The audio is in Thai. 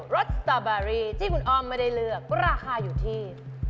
รสสาบารีที่คุณออมไม่ได้เลือกก็ราคาอยู่ที่